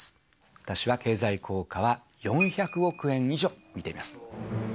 私は経済効果は４００億円以上見ています。